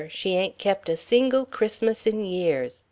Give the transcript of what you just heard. She ain't kept a single Christmas in years.